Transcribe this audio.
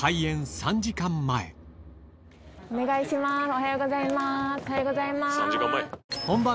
おはようございます。